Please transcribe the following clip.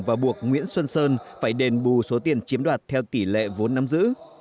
và buộc nguyễn xuân sơn phải đền bù số tiền chiếm đoạt theo tỷ lệ vốn nắm giữ